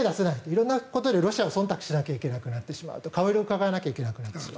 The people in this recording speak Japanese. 色んなことでロシアをそんたくしないといけなくなってしまう顔色をうかがわなきゃいけなくなると。